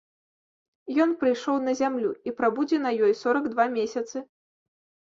Ён прыйшоў на зямлю і прабудзе на ёй сорак два месяцы.